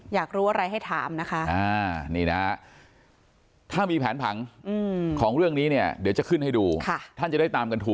อยากรู้อะไรให้ถามนะคะนี่นะถ้ามีแผนผังของเรื่องนี้เนี่ยเดี๋ยวจะขึ้นให้ดู